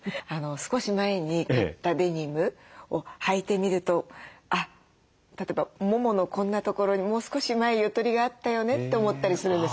少し前に買ったデニムをはいてみると例えばもものこんなところにもう少し前ゆとりがあったよねって思ったりするんです。